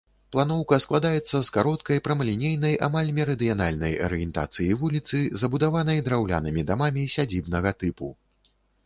Планоўка складаецца з кароткай прамалінейнай амаль мерыдыянальнай арыентацыі вуліцы, забудаванай драўлянымі дамамі сядзібнага тыпу.